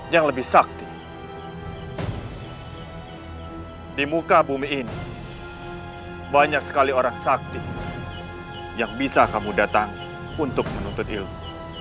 yang lebih sakti di muka bumi ini banyak sekali orang sakti yang bisa kamu datang untuk menuntut ilmu